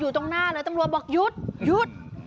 ตรงหน้าเลยตำรวจบอกหยุดหยุด